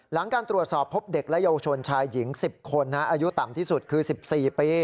หลังการตรวจสอบพบเด็กและเยาวชนชายหญิง๑๐คนอายุต่ำที่สุดคือ๑๔ปี